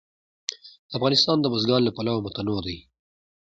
افغانستان د بزګان له پلوه متنوع دی.